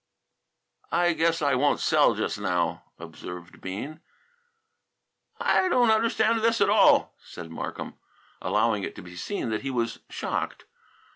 "I guess I won't sell just now," observed Bean. "I don't understand this at all," said Markham, allowing it to be seen that he was shocked.